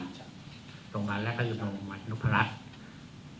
โรงพยาบาลและการยุทธิ์โรงพยาบาลหนุพระรัช